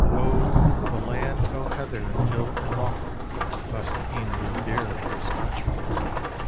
Oh, the land o' heather and hill and loch Must e'en be dear to a Scotchman.